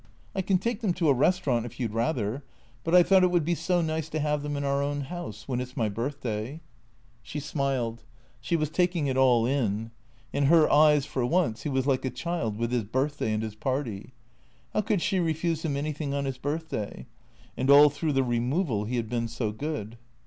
" I can take them to a restaurant if you 'd rather. But I thought it would be so nice to have them in our own house. When it 's my birthday." She smiled. She was taking it all in. In her eyes, for once, he was like a child, with his birthday and his party. How could she refuse him anything on his birthday? And all through the removal he had been so good.